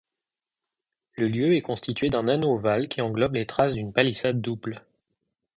Le lieu est constitué d'un anneau ovale qui englobe les traces d'une palissade double.